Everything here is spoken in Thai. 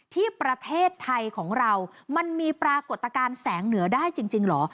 ที่ประเทศไทยของเรามันมีปรากฏการณ์แสงเหนือได้จริงเหรอ